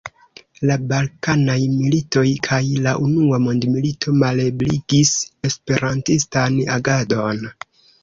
La balkanaj militoj kaj la Unua Mondmilito malebligis esperantistan agadon.